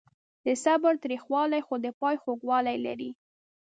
د صبر تریخوالی خو د پای خوږوالی لري.